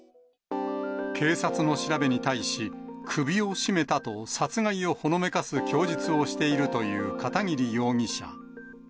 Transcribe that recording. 警察の調べに対し、首を絞めたと、殺害をほのめかす供述をしているという片桐容疑者。